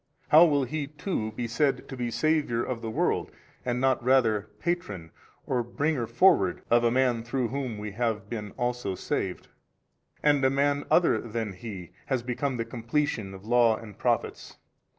how will He too be said to be Saviour of the world and not rather patron or bringer forward of a man through whom we have been also saved, and a man, other than He, has become the completion of law and Prophets?